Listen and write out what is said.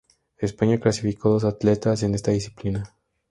España clasificó dos atletas en esta disciplina.